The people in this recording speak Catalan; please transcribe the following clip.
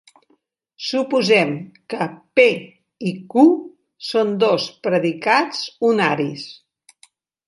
Suposem que "p" i "q" són dos predicats unaris.